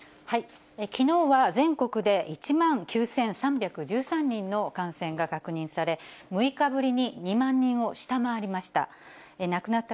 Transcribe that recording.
きのうは全国で１万９３１３人の感染が確認され、６日ぶりに２万人を下回りました。